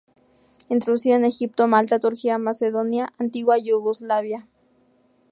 Introducida en Egipto, Malta, Turquía, Macedonia, antigua Yugoslavia.